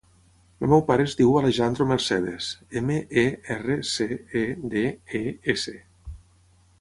El meu pare es diu Alejandro Mercedes: ema, e, erra, ce, e, de, e, essa.